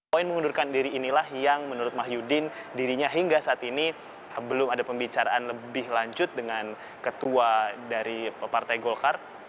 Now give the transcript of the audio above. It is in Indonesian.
poin mengundurkan diri inilah yang menurut mahyudin dirinya hingga saat ini belum ada pembicaraan lebih lanjut dengan ketua dari partai golkar